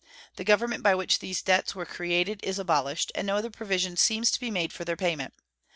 The government by which these debts were created is abolished, and no other provision seems to be made for their payment.